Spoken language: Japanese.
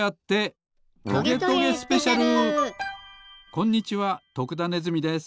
こんにちは徳田ネズミです。